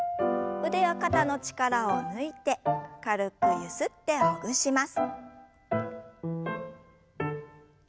腕や肩の力を抜いて軽くゆすってほぐします。